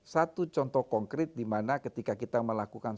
satu contoh konkret dimana ketika kita melakukan